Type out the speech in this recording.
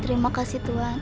terima kasih tuhan